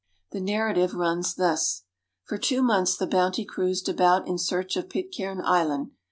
The narrative runs thus :— For two months the Bounty cruised about in search of Pitcairn Island.